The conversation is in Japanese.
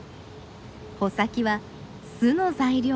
穂先は巣の材料。